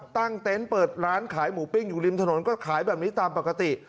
เต็นต์เปิดร้านขายหมูปิ้งอยู่ริมถนนก็ขายแบบนี้ตามปกติ